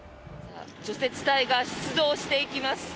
除雪隊が出動していきます。